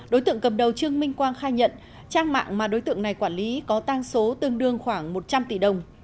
đối tượng cầm đầu trương minh quang khai nhận trang mạng mà đối tượng này quản lý có tăng số tương đương khoảng một trăm linh tỷ đồng